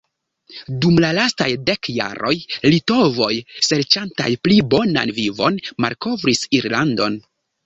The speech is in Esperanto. Dum la lastaj dek jaroj litovoj serĉantaj pli bonan vivon malkovris Irlandon.